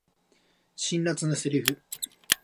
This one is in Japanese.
辛辣なセリフ